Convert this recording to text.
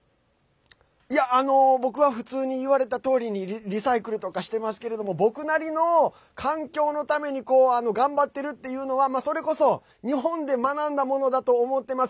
僕は普通に言われたとおりにリサイクルとかしていますけど僕なりの環境のために頑張っているのはそれこそ日本で学んだものだと思ってます。